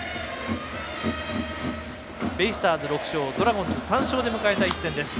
ベイスターズ６勝ドラゴンズ３勝で迎えた一戦です。